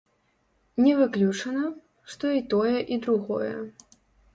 Не выключана, што і тое і другое.